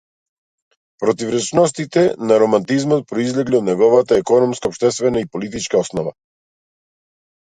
Противречностите на романтизмот произлегле од неговата економско-општествена и политичка основа.